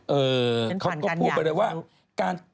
เออเขาก็พูดไปเลยว่า